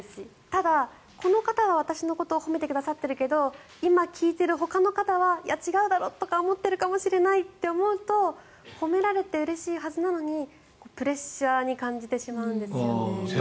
ただ、この方は私のことを褒めてくださっているけど今聞いているほかの方はいや、違うだろとか思ってるのかもしれないと思うと褒められてうれしいはずなのにプレッシャーに感じてしまうんですよね。